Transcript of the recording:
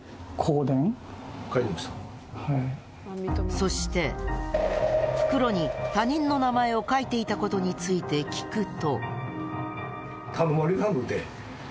そして、袋に他人の名前を書いていたことについて聞くと。